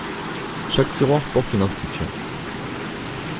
Chaque tiroir porte une inscription.